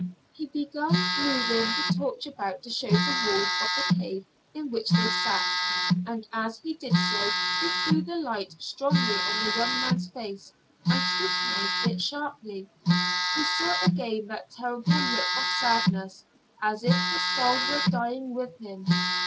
He began moving the torch about to show the walls of the cave in which they sat, and as he did so he threw the light strongly on the young man's face, and scrutinized it sharply. He saw again that terrible look of sadness as if his soul were dying within him.